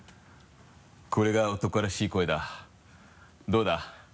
これが男らしい声だどうだ？